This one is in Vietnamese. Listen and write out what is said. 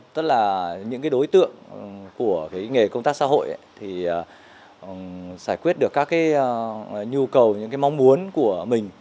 tức là những cái đối tượng của cái nghề công tác xã hội thì giải quyết được các cái nhu cầu những cái mong muốn của mình